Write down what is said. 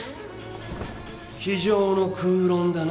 机上の空論だな。